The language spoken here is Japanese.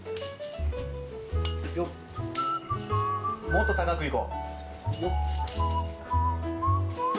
もっと高くいこう。